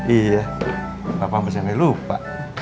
iya bapak masih sampe lupa